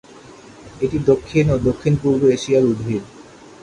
এটি দক্ষিণ ও দক্ষিণ-পূর্ব এশিয়ার উদ্ভিদ।